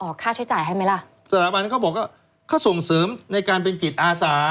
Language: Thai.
ค่าใช้จ่ายให้ไหมล่ะสถาบันเขาบอกว่าเขาส่งเสริมในการเป็นจิตอาสา